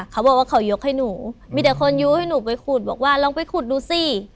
เขาบอกว่าเขายกให้หนูมีแต่คนยู้ให้หนูไปขุดบอกว่าลองไปขุดดูสิ